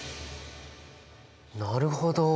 なるほど！